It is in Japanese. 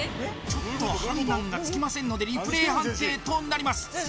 ちょっと判断がつきませんのでリプレイ判定となります